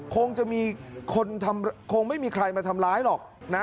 คงจะมีคนคงไม่มีใครมาทำร้ายหรอกนะ